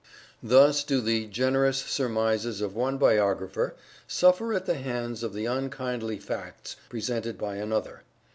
Thus do the generous surmises of one biographer suffer at the hands of the unkindly facts presented by another.